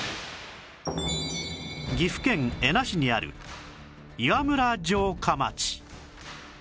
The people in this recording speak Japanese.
岐阜県恵那市にある岩村城下町